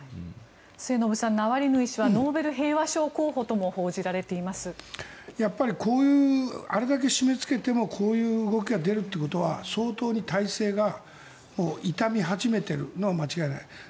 末延さん、ナワリヌイ氏はノーベル平和賞候補ともあれだけ締めつけてもこういう動きが出るということは相当に体制が傷み始めているのは間違いない。